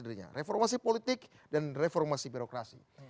dirinya reformasi politik dan reformasi birokrasi